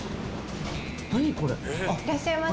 いらっしゃいませ。